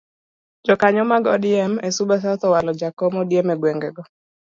Jokanyo mag odm e suba south owalo jakom odm egwengego.